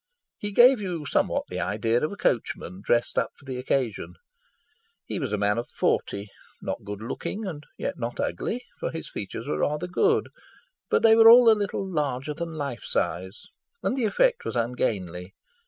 He gave you somewhat the idea of a coachman dressed up for the occasion. He was a man of forty, not good looking, and yet not ugly, for his features were rather good; but they were all a little larger than life size, and the effect was ungainly.